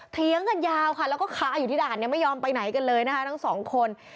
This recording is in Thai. เถียงกันยาวค่ะแล้วก็ค้าอยู่ที่ด่านเนี่ยไม่ยอมไปไหนกันเลยนะคะทั้งสองคน